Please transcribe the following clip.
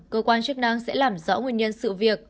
cơ quan chức năng sẽ làm rõ nguyên nhân sự việc